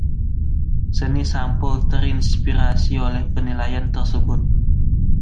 Seni sampul terinspirasi oleh Penilaian tersebut!